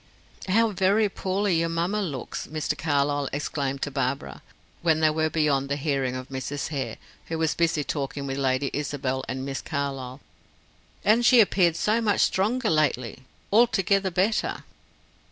"How very poorly your mamma looks!" Mr. Carlyle exclaimed to Barbara, when they were beyond the hearing of Mrs. Hare, who was busy talking with Lady Isabel and Miss Carlyle. "And she has appeared so much stronger lately; altogether better."